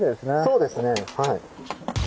そうですねはい。